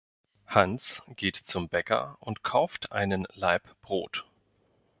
Hans geht zum Bäcker und kauft einen Laib Brot.